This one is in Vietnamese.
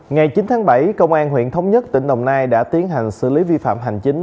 ngày chín tháng bảy công an huyện thống nhất tỉnh đồng nai đã tiến hành xử lý vi phạm hành chính